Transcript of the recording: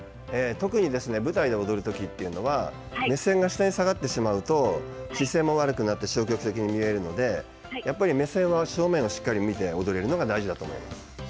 特に舞台で踊る時というのは目線が下に下がってしまうと姿勢も悪くなって消極的に見えるので目線は正面をしっかりと見て踊れるのが大事だと思います。